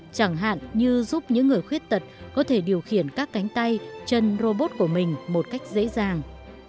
chẳng hạn như giúp những người khuyết tật có thể điều khiển các cánh tay chân robot của mình một cách dễ dàng